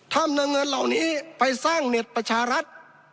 นำเงินเหล่านี้ไปสร้างเน็ตประชารัฐ